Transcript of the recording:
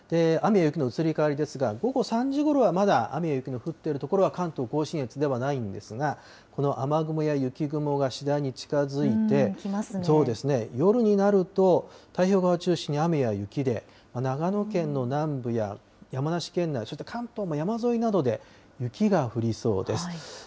雨や雪の移り変わりですが、午後３時ごろはまだ雨や雪の降ってる所は関東甲信越ではないんですが、この雨雲や雪雲が次第に近づいて、夜になると、太平洋側を中心に雨や雪で、長野県の南部や山梨県内、ちょっと関東も山沿いなどで雪が降りそうです。